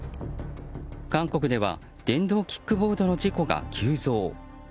韓国では電動キックボードの事故が急増。